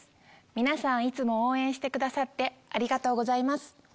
皆さんいつも応援してくださってありがとうございます。